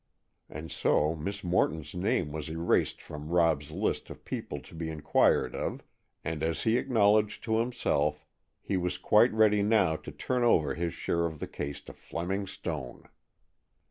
And so, Miss Morton's name was erased from Rob's list of people to be inquired of, and, as he acknowledged to himself, he was quite ready now to turn over his share in the case to Fleming Stone.